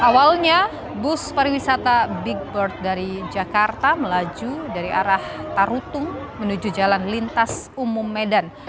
awalnya bus pariwisata big bird dari jakarta melaju dari arah tarutung menuju jalan lintas umum medan